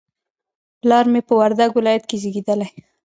پلار مې په وردګ ولایت کې زیږدلی